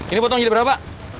ini potong jadi berapa